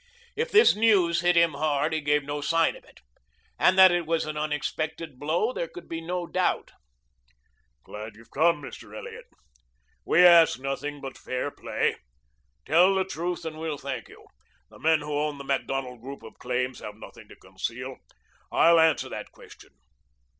If this news hit him hard he gave no sign of it. And that it was an unexpected blow there could be no doubt. "Glad you've come, Mr. Elliot. We ask nothing but fair play. Tell the truth, and we'll thank you. The men who own the Macdonald group of claims have nothing to conceal. I'll answer that question.